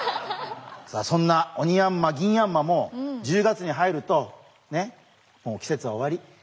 さあそんなオニヤンマギンヤンマも１０月に入るとねっもう季節は終わり。